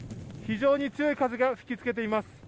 非常に強い風が吹き付けています。